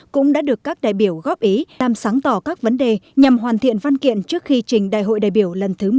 cũng đã được các đại biểu góp ý làm sáng tỏ các vấn đề nhằm hoàn thiện văn kiện trước khi trình đại hội đại biểu lần thứ một mươi ba